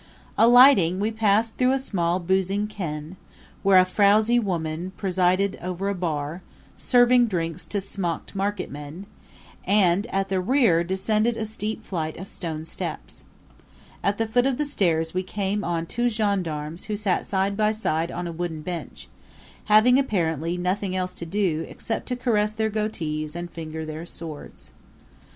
Alighting we passed through a small boozing ken, where a frowzy woman presided over a bar, serving drinks to smocked marketmen, and at the rear descended a steep flight of stone steps. At the foot of the stairs we came on two gendarmes who sat side by side on a wooden bench, having apparently nothing else to do except to caress their goatees and finger their swords.